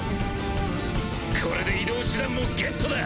これで移動手段もゲットだ。